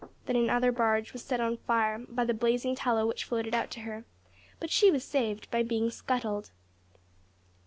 Then another barge was set on fire by the blazing tallow which floated out to her, but she was saved by being scuttled.